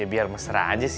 ya biar mesra aja sih